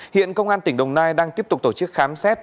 hiện công an tỉnh đồng nai đang tiếp tục tổ chức khám xét